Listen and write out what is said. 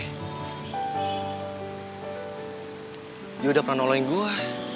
dia udah pernah nolong gue